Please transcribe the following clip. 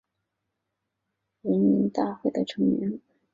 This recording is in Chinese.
该党是圣保罗论坛和玻利瓦尔人民大会的成员。